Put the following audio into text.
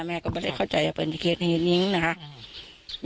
แม่ก็ไม่ได้เข้าใจว่าเป็นเกษตรนี้นะคะอืม